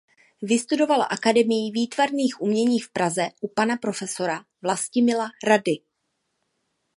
Vystudoval Akademii výtvarných umění v Praze u pana profesora Vlastimila Rady.